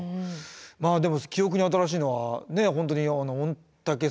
まあでも記憶に新しいのは御嶽山とか。